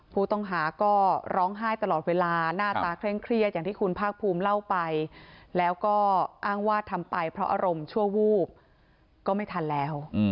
ผู้ต้องหาก็ร้องไห้ตลอดเวลาหน้าตาเคร่งเครียดอย่างที่คุณภาคภูมิเล่าไปแล้วก็อ้างว่าทำไปเพราะอารมณ์ชั่ววูบก็ไม่ทันแล้ว